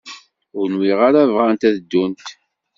Ur nwiɣ ara bɣant ad ddunt.